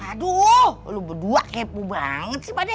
aduh lu berdua kepo banget sih mbak deh